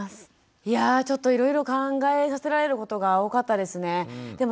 いやぁちょっといろいろ考えさせられることが多かったですね。